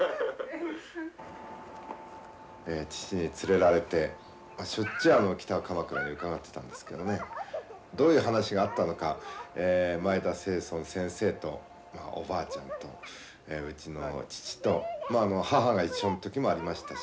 父に連れられてしょっちゅう北鎌倉に伺ってたんですけどねどういう話があったのか前田青邨先生とおばあちゃんとうちの父とまあ母が一緒の時もありました